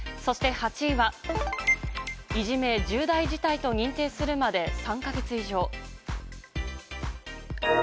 そして８位はいじめ、重大事態と認定するまで３か月以上。